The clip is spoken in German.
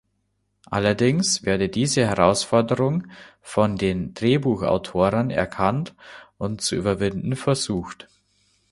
Allerdings werde diese Herausforderung von den Drehbuchautoren erkannt und zu überwinden versucht.